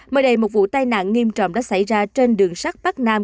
mới đây một vụ tai nạn nghiêm trọng đã xảy ra trên đường sắt bắc nam